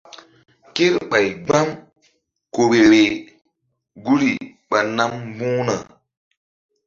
Kerɓay gbam ku vbe-vbeh guri ɓa nam mbu̧h na.